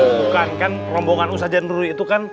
bukan kan rombongan ustadz zanurul itu kan